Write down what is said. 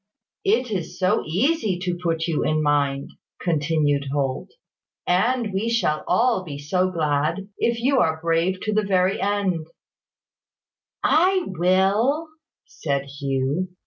"It is so easy to put you in mind," continued Holt; "and we shall all be so glad if you are brave to the very end " "I will," said Hugh.